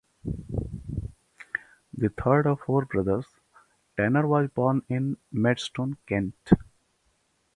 The third of four brothers, Tanner was born in Maidstone, Kent.